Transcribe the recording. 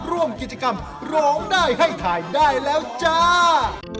ร่วมกิจกรรมร้องได้ให้ถ่ายได้แล้วจ้า